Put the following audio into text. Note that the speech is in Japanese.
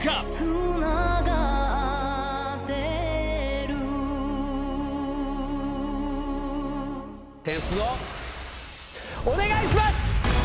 つながってる点数をお願いします！